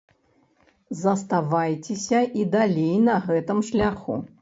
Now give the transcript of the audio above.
Заставайцеся і далей на гэтым шляху!